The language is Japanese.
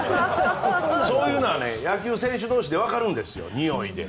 そういうのは野球選手同士で分かるんです、においで。